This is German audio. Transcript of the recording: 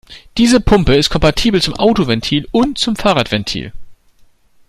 Diese Pumpe ist kompatibel zum Autoventil und zum Fahrradventil.